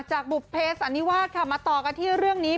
บุภเพสันนิวาสค่ะมาต่อกันที่เรื่องนี้